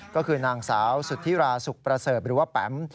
ก็คือนางสาวสุธิราสุขประเสริฐหรือว่าแปม